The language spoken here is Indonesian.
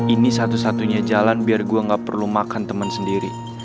ini satu satunya jalan biar gue gak perlu makan teman sendiri